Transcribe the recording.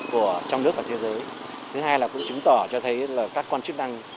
của trong nước và thế giới thứ hai là cũng chứng tỏ cho thấy là các quan chức năng